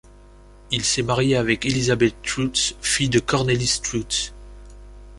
Il s'est marié avec Elisabeth Troost, fille de Cornelis Troost.